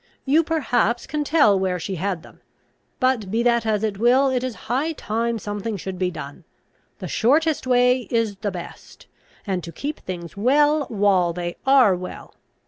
You perhaps can tell where she had them. But, be that as it will, it is high time something should be done. The shortest way is the best, and to keep things well while they are well.